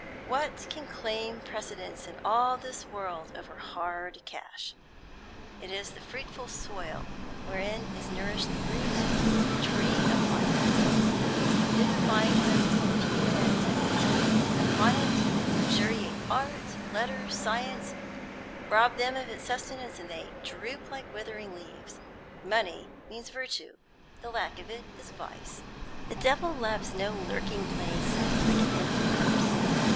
What can claim precedence, in all this world, over hard cash? It is the fruitful soil wherein is nourished the root of the tree of life; it is the vivifying principle of human activity. Upon it luxuriate art, letters, science; rob them of its sustenance, and they droop like withering leaves. Money means virtue; the lack of it is vice. The devil loves no lurking place like an empty purse.